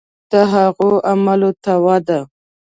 دا هغو علومو ته ده.